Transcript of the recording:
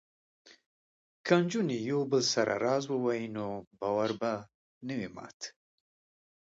که نجونې یو بل سره راز ووايي نو باور به نه وي مات.